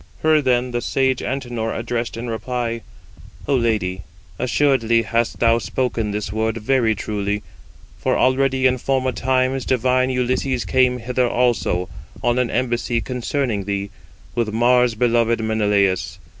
Her then the sage Antenor addressed in reply: "O lady, assuredly hast thou spoken this word very truly: for already in former times divine Ulysses came hither also, on an embassy concerning thee, with Mars beloved Menelaus.